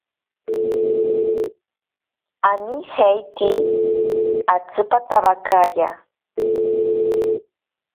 Anijeite atsipatabakaya.